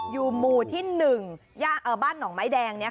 อยู่หมู่ที่๑บ้านหนองไม้แดง